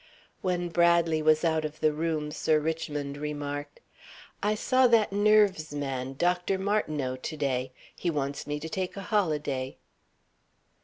When Bradley was out of the room, Sir Richmond remarked: "I saw that nerves man, Dr. Martineau, to day. He wants me to take a holiday."